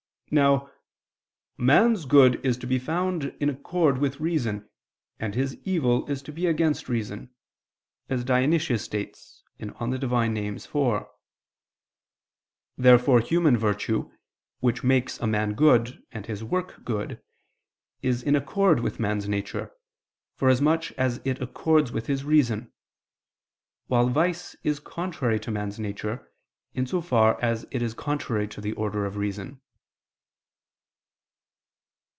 Now "man's good is to be in accord with reason, and his evil is to be against reason," as Dionysius states (Div. Nom. iv). Therefore human virtue, which makes a man good, and his work good, is in accord with man's nature, for as much as it accords with his reason: while vice is contrary to man's nature, in so far as it is contrary to the order of reason.